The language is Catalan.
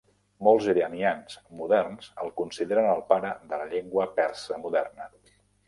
Molts iranians moderns el consideren el pare de la llengua persa moderna.